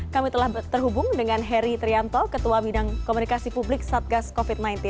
kami telah terhubung dengan heri trianto ketua bidang komunikasi publik satgas covid sembilan belas